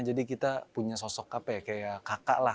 jadi kita punya sosok apa ya kayak kakak lah